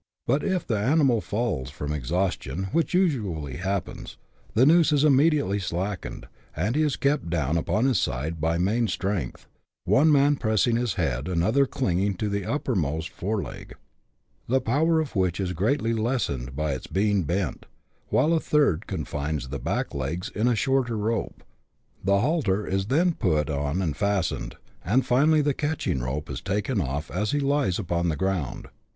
But if the animal falls from exhaustion, which usually happens, the noose is immediately slackened, and he is kept down upon his side by main strength, one man pressing his head, another clinging to the uppermost foreleg, the power of which is greatly lessened by its being bent, while a third confines the hind legs in a shorter rope ; the halter is then put on and fastened ; and, finally, the catching rope is taken off as he lies upon the ground.